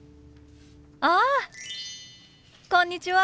あ！こんにちは。